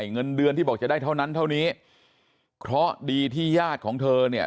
เงินเดือนที่บอกจะได้เท่านั้นเท่านี้เพราะดีที่ญาติของเธอเนี่ย